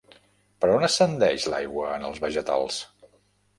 Per on ascendeix l'aigua en els vegetals?